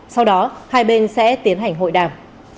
sau đó hai bên sẽ tiến hành hội đàm